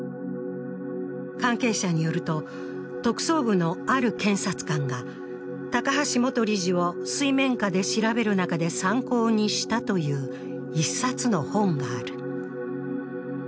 関係者によると、特捜部のある検察官が高橋元理事を水面下で調べる中で参考にしたという１冊の本がある。